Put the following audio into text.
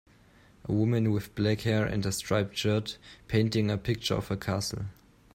A woman with black hair and a striped shirt, painting a picture of a castle.